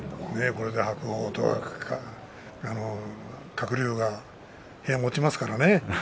これで白鵬や鶴竜が部屋を持ちますからね。